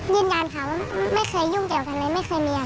ยืนยันค่ะว่าไม่เคยยุ่งเกี่ยวกันเลยไม่เคยมีค่ะ